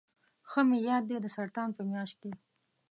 ښه مې یاد دي د سرطان په میاشت کې.